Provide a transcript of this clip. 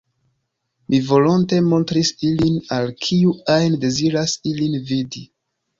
Mi volonte montros ilin al kiu ajn deziras ilin vidi.